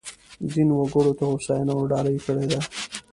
دین وګړو ته هوساینه ورډالۍ کړې ده.